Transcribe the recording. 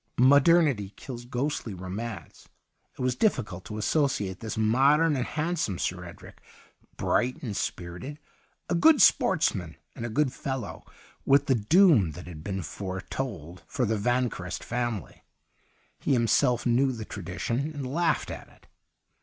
Modernity kills ghostly romance. It was difficult to asso ciate this modern and handsome Sir Edric, bright and spirited, a good sportsman and a good fellow, with the doom that had been fore told for the Vanquerest family. He himself knew the tradition and laughed at it.